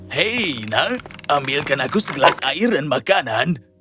hei nak ambilkan aku segelas air dan makanan